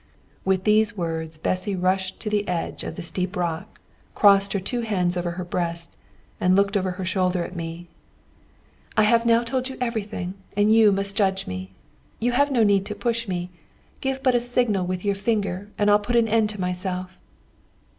With these words Bessy rushed to the edge of the steep rock, crossed her two hands over her breast, and looked over her shoulder at me. "I have now told you everything, and you must judge me. You have no need to push me. Give but a signal with your finger and I'll put an end to myself!"